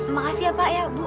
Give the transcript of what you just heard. makasih ya pak ya bu